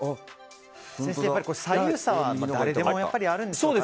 先生、左右差は誰でもあるんですかね。